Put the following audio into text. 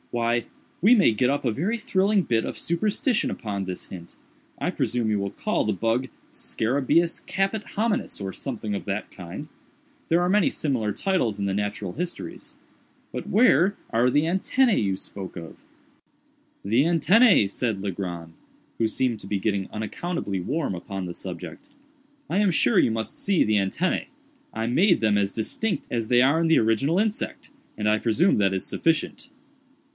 Why, we may get up a very thrilling bit of superstition upon this hint. I presume you will call the bug scarabæus caput hominis, or something of that kind—there are many similar titles in the Natural Histories. But where are the antennæ you spoke of?" "The antennæ!" said Legrand, who seemed to be getting unaccountably warm upon the subject; "I am sure you must see the antennæ. I made them as distinct as they are in the original insect, and I presume that is sufficient."